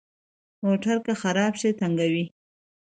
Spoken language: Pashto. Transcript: موټر که خراب شي، تنګوي.